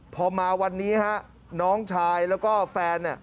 พอมาวันนี้ฮะน้องชายแล้วก็แฟน